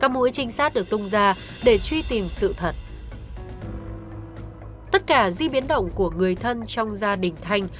các mũi trinh sát được tung ra để truy tìm sự thật ở tất cả di biến động của người thân trong gia đình